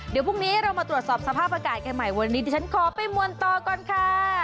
เดี๋ยวพรุ่งนี้เรามาตรวจสอบสภาพอากาศกันใหม่วันนี้ดิฉันขอไปมวลต่อก่อนค่ะ